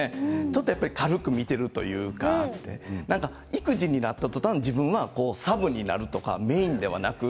軽く見ているというか育児になったとたん自分はサブだとメインではなくて。